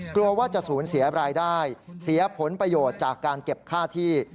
กลัวว่าจะสูญเสียรายได้เสียผลประโยชน์จากการเก็บค่าที่